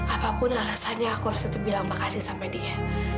apapun alasannya aku harus tetap bilang makasih sama dia